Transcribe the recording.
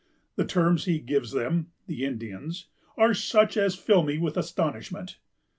The terms he gives them (the Indians) are such as fill me with astonishment....